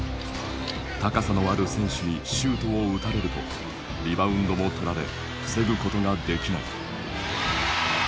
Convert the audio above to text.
高さのある選手にシュートを打たれるとリバウンドも取られ防ぐことができない。